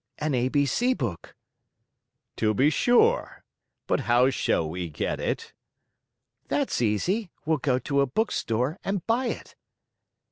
"An A B C book." "To be sure! But how shall we get it?" "That's easy. We'll go to a bookstore and buy it."